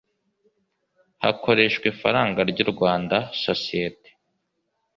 hakoreshwa ifaranga ry u Rwanda Sosiyete